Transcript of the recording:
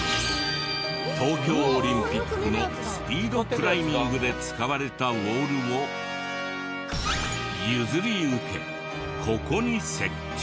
東京オリンピックのスピードクライミングで使われたウォールを譲り受けここに設置。